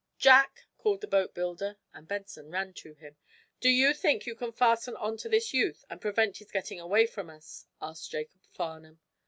"Jack!" called the boatbuilder, and Benson ran to him. "Do you think you can fasten onto this youth, and prevent his getting away from us?" asked Jacob Farnum.